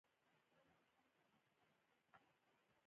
ما ورته وویل: تراوسه له هیڅ چا سره نه یم پاتې شوی.